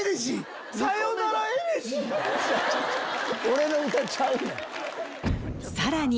俺の歌ちゃうねん。